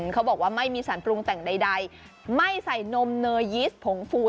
เขาบอกว่าไม่มีสารปรุงแต่งใดไม่ใส่นมเนยีสผงฟู